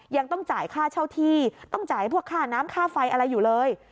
ยังต้องจ่ายค่าเช่าที่ต้องจ่ายพวกค่าน้ำค่าไฟอะไรอยู่เลย